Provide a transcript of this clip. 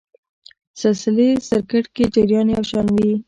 سلسلې سرکټ کې جریان یو شان وي.